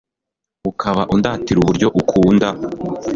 ukaba undatira uburyo ukunda